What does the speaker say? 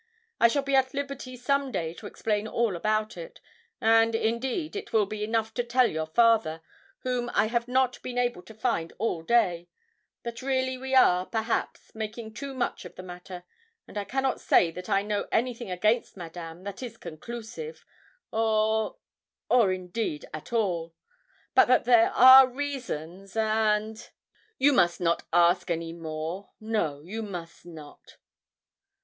I shall be at liberty some day to explain all about it, and, indeed, it will be enough to tell your father, whom I have not been able to find all day; but really we are, perhaps, making too much of the matter, and I cannot say that I know anything against Madame that is conclusive, or or, indeed, at all; but that there are reasons, and you must not ask any more no, you must not.'